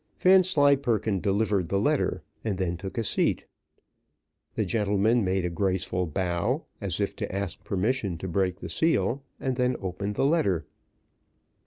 Vanslyperken delivered the letter, and then took a seat. The gentleman made a graceful bow, as if to ask permission to break the seal, and then opened the letter.